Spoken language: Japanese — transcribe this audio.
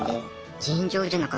尋常じゃなかった。